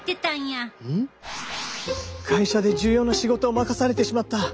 会社で重要な仕事を任されてしまった。